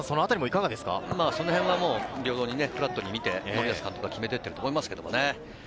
そのへんも平等にフラットに見て森保監督が決めていると思いますけどね。